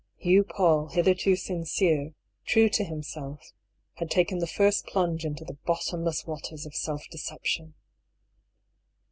Hugh Paull, hitherto sincere, true to himself, had taken the first plunge into the bot tomless waters of self deception